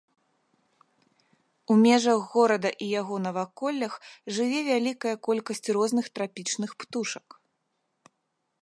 У межах горада і яго наваколлях жыве вялікая колькасць розных трапічных птушак.